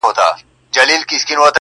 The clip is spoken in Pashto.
هېره چي یې نه کې پر ګرېوان حماسه ولیکه!.